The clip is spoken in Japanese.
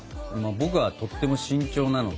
僕はとっても慎重なので。